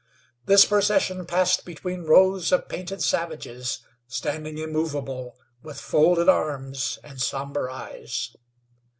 This procession passed between rows of painted savages, standing immovable, with folded arms, and somber eyes.